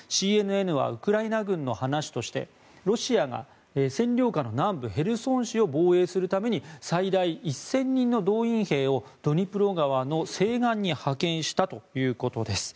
ＣＮＮはウクライナ軍の話としてロシアが占領下の南部ヘルソン市を防衛するため最大１０００人の動員兵をドニプロ川の西岸に派遣したということです。